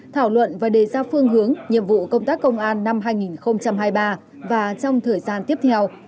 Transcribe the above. thảo luận và đề ra phương hướng nhiệm vụ công tác công an năm hai nghìn hai mươi ba và trong thời gian tiếp theo